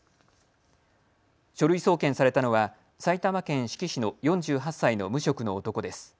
書類送検されたのは埼玉県志木市の４８歳の無職の男です。